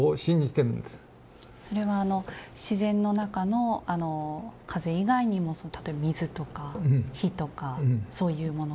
それはあの自然の中のあの風以外にも例えば水とか火とかそういうものですか？